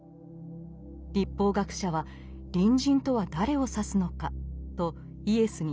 律法学者は「隣人とは誰を指すのか」とイエスに問いました。